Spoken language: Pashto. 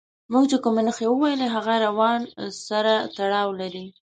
موږ چې کومې نښې وویلې هغه روان سره تړاو لري.